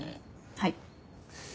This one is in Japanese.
はい。